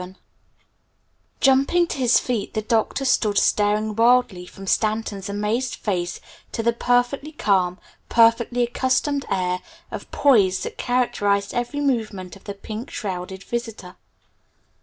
VII Jumping to his feet, the Doctor stood staring wildly from Stanton's amazed face to the perfectly calm, perfectly accustomed air of poise that characterized every movement of the pink shrouded visitor.